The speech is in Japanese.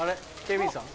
警備員さん？